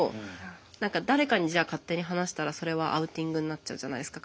何か誰かにじゃあ勝手に話したらそれはアウティングになっちゃうじゃないですか。